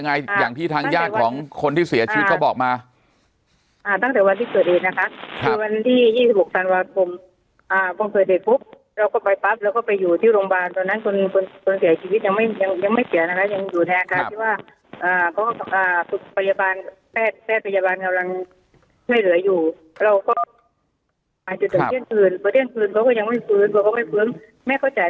แม่เค้าจ่ายตังค์ไปให้เค้าว่าพันบาทเค้าสงสารสงสารภรรยากลตาย